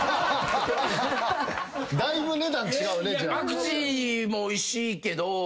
パクチーもおいしいけど。